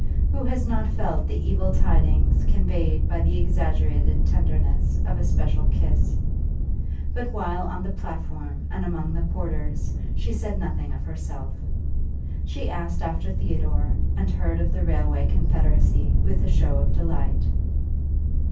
Who has not felt the evil tidings conveyed by the exaggerated tenderness of a special kiss? But while on the platform and among the porters she said nothing of herself. She asked after Theodore and heard of the railway confederacy with a shew of delight.